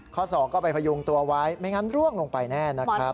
สองก็ไปพยุงตัวไว้ไม่งั้นร่วงลงไปแน่นะครับ